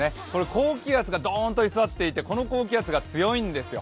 高気圧がドーンと居座っていてこの高気圧が強いんですよ。